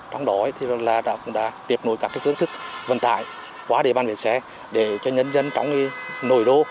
trong đó tôi đã tiệp nổi các hướng thức vận tải qua địa bàn biển xe để cho nhân dân trong nổi đô